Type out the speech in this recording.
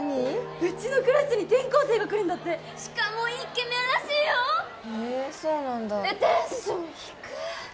うちのクラスに転校生が来るんだってしかもイケメンらしいよへえそうなんだテンション低っ！